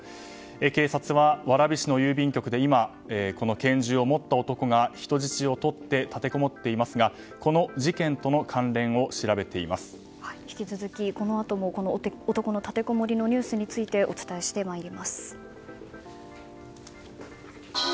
警察は、蕨市の郵便局で今、拳銃を持った男が人質をとって立てこもっていますがこの事件との関連を引き続き、このあとも男の立てこもりのニュースについてお伝えしてまいります。